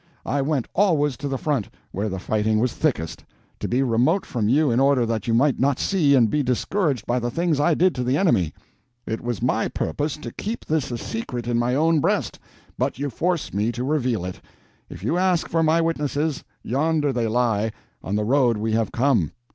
I went always to the front, where the fighting was thickest, to be remote from you in order that you might not see and be discouraged by the things I did to the enemy. It was my purpose to keep this a secret in my own breast, but you force me to reveal it. If you ask for my witnesses, yonder they lie, on the road we have come.